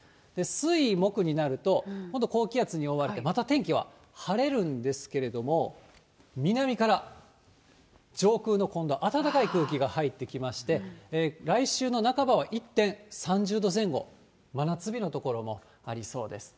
水、木になると、今度高気圧に覆われて、また天気は晴れるんですけれども、南から上空の今度、暖かい空気が入ってきまして、来週の半ばは一転、３０度前後、真夏日の所もありそうです。